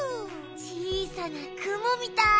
ちいさなくもみたい。